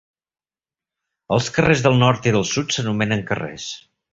Els carrers del nord i del sud s'anomenen carrers.